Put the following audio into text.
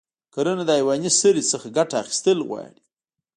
کرنه د حیواني سرې څخه ګټه اخیستل غواړي.